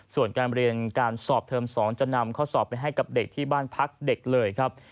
ส่วนการเรียนการสอบเทอม๒จะนำข้อสอบไปให้กับเด็กที่บ้านพักเด็กเลยครับ